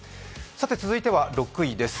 続いては６位です。